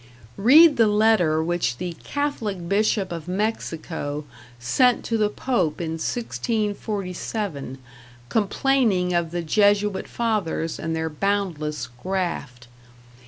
Read the letter which the Catholic Bishop of Mexico sent to the Pope in 1647, complaining of the Jesuit fathers and their boundless graft.